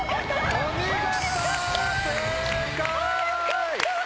お見事！